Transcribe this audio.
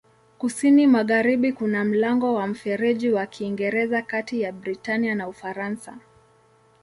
Kusini-magharibi kuna mlango wa Mfereji wa Kiingereza kati ya Britania na Ufaransa.